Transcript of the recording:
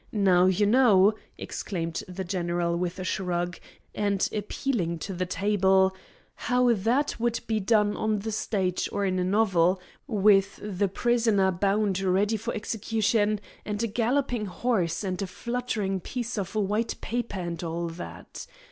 Now, you know," exclaimed the general, with a shrug, and appealing to the table, "how that would be done on the stage or in a novel, with the prisoner bound ready for execution, and a galloping horse, and a fluttering piece of white paper, and all that.